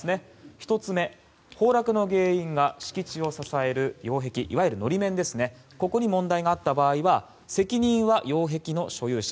１つ目、崩落の原因が敷地を支える擁壁いわゆる法面に問題があった場合は責任は擁壁の所有者。